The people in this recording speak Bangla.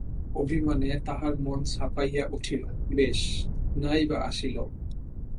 অভিমানে তাহার মন ছাপাইয়া উঠিল, বেশ, নাই বা আসিল?